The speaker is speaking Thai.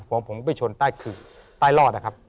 ผมก็ไปชนใต้คืนใต้รอดอะครับ